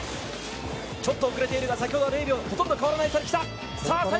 ちょっと遅れているが先ほどとはほとんど変わらない差で来た！